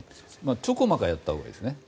ちょこまかやったほうがいいですね。